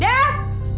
dia ada kau